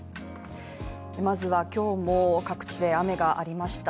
まずは今日も各地で雨がありました。